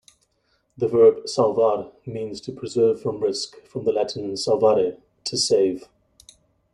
The verb "salvar" means to preserve from risk, from the Latin "salvare", to save.